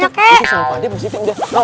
itu sama pade pos hitai udah